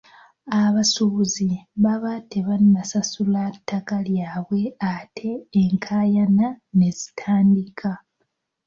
Abasuubuzi baba tebannasasula ttaka lyabwe ate enkaayana ne zitandika.